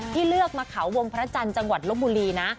เลือกมาเขาวงพระจันทร์จังหวัดลบบุรีนะ